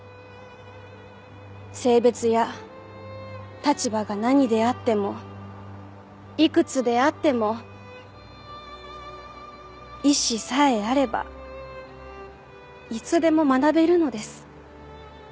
性別や立場が何であってもいくつであっても意志さえあればいつでも学べるのです。